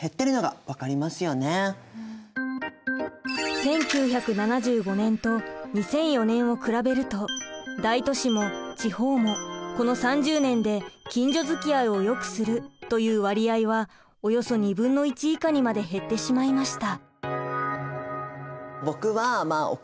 １９７５年と２００４年を比べると大都市も地方もこの３０年で近所付き合いをよくするという割合はおよそ２分の１以下にまで減ってしまいました。